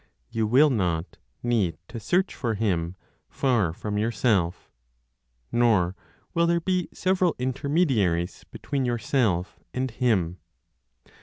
You will not need to search for Him far from yourself; nor will there be several intermediaries between yourself and Him.